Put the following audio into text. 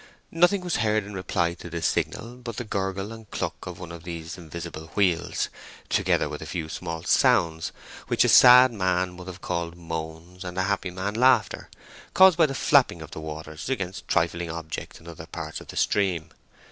Nothing was heard in reply to the signal but the gurgle and cluck of one of these invisible wheels—together with a few small sounds which a sad man would have called moans, and a happy man laughter—caused by the flapping of the waters against trifling objects in other parts of the stream.